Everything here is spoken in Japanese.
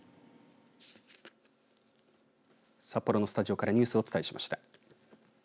札幌のスタジオからニュースをお伝えしました。